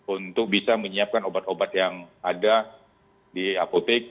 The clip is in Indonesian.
untuk bisa menyiapkan obat obat yang ada di apotek